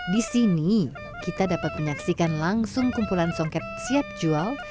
di sini kita dapat menyaksikan langsung kumpulan songket siap jual